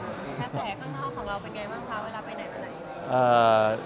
แสดงแสก้อนท่องของเราเป็นไงบ้างคะเวลาไปไหนมาไหน